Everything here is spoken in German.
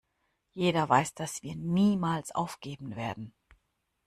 Jeder weiß, dass wir niemals aufgeben werden!